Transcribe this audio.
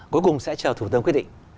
cuối cùng sẽ chờ thủ tướng quyết định